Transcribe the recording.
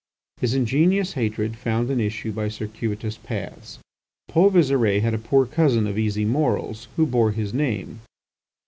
His ingenious hatred found an issue by circuitous paths. Paul Visire had a poor cousin of easy morals who bore his name.